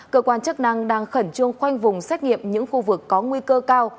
cơ quan chức năng đang khẩn trương khoanh vùng xét nghiệm những khu vực có nguy cơ cao